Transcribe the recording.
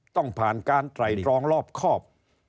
ต้องผ่านการไตรตรองรอบครอบ